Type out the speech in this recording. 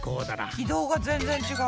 軌道が全然違う。